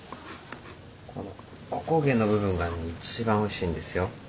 このおこげの部分がね一番おいしいんですよ。